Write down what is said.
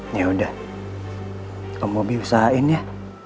yaudah kamu biar usahain ya